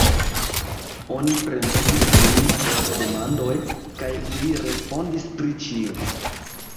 Oni premegis ilin per demandoj, kaj ili respondis pri ĉio.